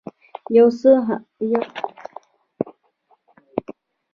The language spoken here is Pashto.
• یو ښه ساعت ارزښت لري.